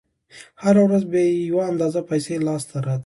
هره ورځ یوه اندازه پیسې لاس ته راځي